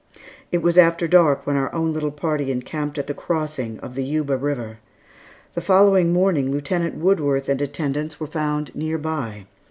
It was after dark when our own little party encamped at the crossing of the Yuba River. The following morning Lieutenant Woodworth and attendants were found near by.